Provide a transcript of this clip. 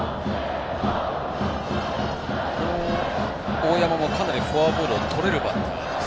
大山も、かなりフォアボールをとれるバッターです。